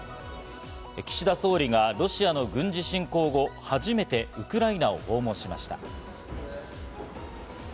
岸田総理がロシアの軍事侵攻後、初めてウクライナを訪問しました。